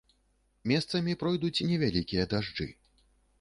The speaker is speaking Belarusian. Месцамі пройдуць невялікія дажджы.